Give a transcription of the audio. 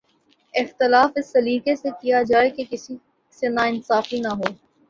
اختلاف اس سلیقے سے کیا جائے کہ کسی سے ناانصافی نہ ہو